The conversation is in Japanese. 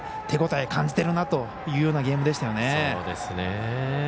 手ごたえ感じてるなというようなゲームでしたよね。